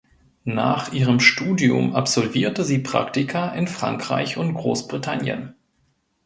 Nach ihrem Studium absolvierte sie Praktika in Frankreich und Großbritannien.